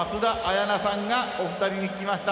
やなさんがお二人に聞きました。